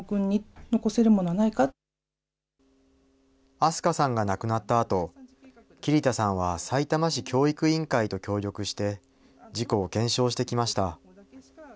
明日香さんが亡くなったあと、桐田さんはさいたま市教育委員会と協力して、事故を検証してきました。